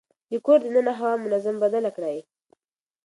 د کور دننه هوا منظم بدله کړئ.